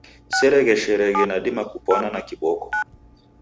Seregheshereghe nadima kupwana na kiboko.